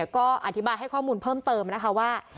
ก็อธิบายให้ข้อมูลเพิ่มเติมนะคะว่า